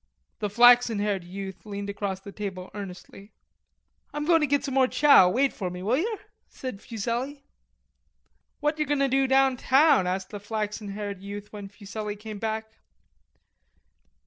The flaxen haired youth leaned across the table earnestly. "I'm goin' to git some more chow: Wait for me, will yer?" said Fuselli. "What yer going to do down town?" asked the flaxen haired youth when Fuselli came back.